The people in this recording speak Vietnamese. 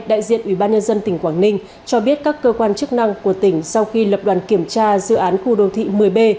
đại diện ủy ban nhân dân tỉnh quảng ninh cho biết các cơ quan chức năng của tỉnh sau khi lập đoàn kiểm tra dự án khu đô thị một mươi b